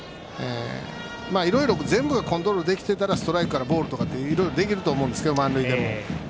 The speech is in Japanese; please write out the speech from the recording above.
いろいろ全部がコントロールできてたらストライクからボールとかいろいろできると思いますけど満塁でも。